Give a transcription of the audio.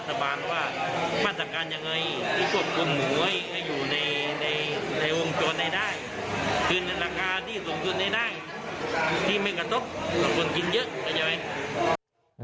ได้ได้คือในราคาที่สมควรได้ได้ที่เมกะต๊กเราควรกินเยอะไม่ใช่ไหม